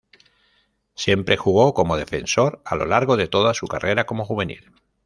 Siempre jugó como defensor a lo largo de toda su carrera como juvenil.